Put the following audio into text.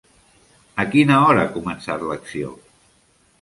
A quina hora ha començat l'acció?